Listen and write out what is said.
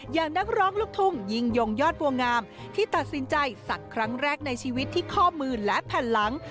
อย่างนักร้องลูกทุ่งยิ่งยงยอดบัวงามที่ตัดสินใจศักดิ์ครั้งแรกในชีวิตที่ข้อมือและแผ่นหลัง